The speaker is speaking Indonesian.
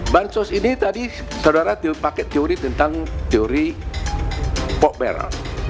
bansos ini tadi saudara pakai teori tentang teori pokberl